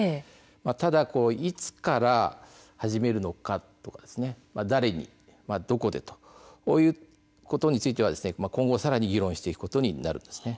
ただ、いつから始めるのか誰にどこでといったことについては今後さらに議論していくことになるんです。